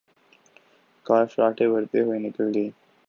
کار فراٹے بھرتی ہوئے نکل گئی۔